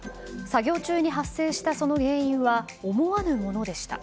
作業中に発生したその原因は思わぬものでした。